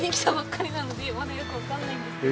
まだよくわかんないんですけど。